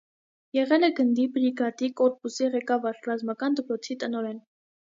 Եղել է գնդի, բրիգադի, կորպուսի ղեկավար, ռազմական դպրոցի տնօրեն։